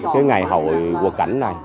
cái ngày hội quật cảnh này